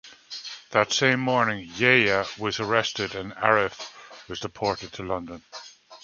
That same morning Yahya was arrested and Arif was deported to London.